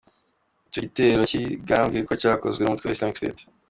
Icyo gitero cyigambwe ko cyakozwe n’umutwe wa Islamic State.